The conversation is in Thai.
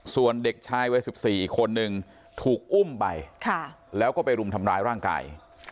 ส่วนเด็กชายวัย๑๔อีกคนนึงถูกอุ้มไปแล้วก็ไปรุมทำร้ายร่างกาย